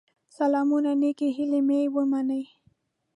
سلامونه نيکي هيلي مي ومنئ